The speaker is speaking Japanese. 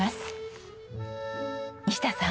西田さん。